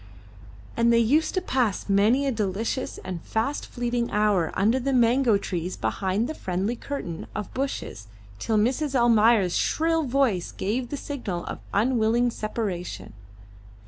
And they used to pass many a delicious and fast fleeting hour under the mango trees behind the friendly curtain of bushes till Mrs. Almayer's shrill voice gave the signal of unwilling separation.